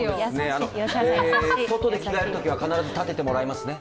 外で着替えるときは必ず立ててもらいますね。